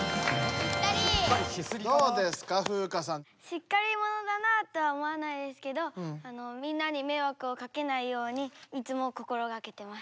しっかり者だなあとは思わないですけどみんなにめいわくをかけないようにいつも心がけてます。